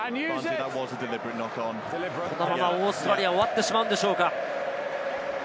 このままオーストラリア、終わってしまうんでしょうか？